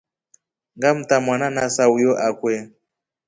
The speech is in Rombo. Ngamta mwana na sauyo akwe.